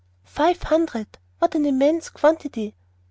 "Five hundred! What an immense quantity!"